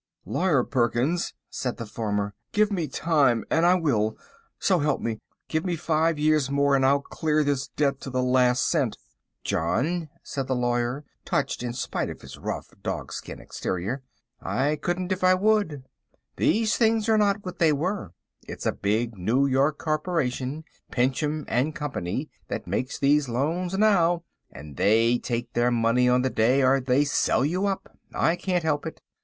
"Lawyer Perkins," said the farmer, "give me time and I will; so help me, give me five years more and I'll clear this debt to the last cent." "John," said the lawyer, touched in spite of his rough (dogskin) exterior, "I couldn't, if I would. These things are not what they were. It's a big New York corporation, Pinchem & Company, that makes these loans now, and they take their money on the day, or they sell you up. I can't help it.